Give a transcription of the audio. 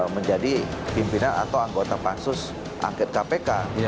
menjadi pimpinan atau anggota pansus angket kpk